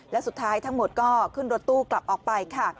และสุดท้ายทั้งหมดก็ขึ้นรถตู้กลับออกไปค่ะ